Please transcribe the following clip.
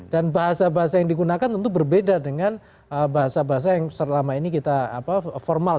dan bahasa bahasa yang digunakan tentu berbeda dengan bahasa bahasa yang selama ini kita formal